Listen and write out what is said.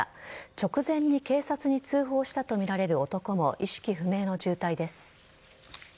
直前に警察に通報したとみられる男も意識不明の重体です。